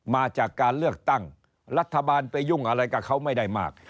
มาจากการเลือกตั้งรัฐบาลไปยุ่งอะไรกับเขาไม่ได้มาก